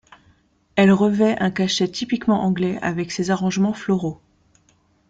Elle revêt un cachet typiquement anglais avec ses arrangements floraux.